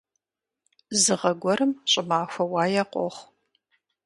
Зы гъэ гуэрым щӀымахуэ уае къохъу.